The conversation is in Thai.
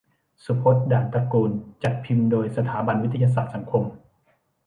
สุพจน์ ด่านตระกูล จัดพิมพ์โดย สถาบันวิทยาศาสตร์สังคม